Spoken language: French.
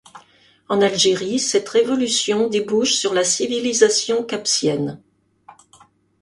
En Algérie, cette révolution débouche sur la civilisation capsienne.